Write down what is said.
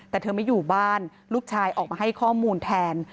แต่เธอไม่อยู่บ้านลูกชายออกมาให้ข้อมูลแทน